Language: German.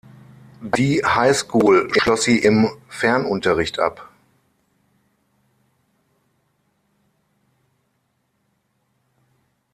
Die Highschool schloss sie im Fernunterricht ab.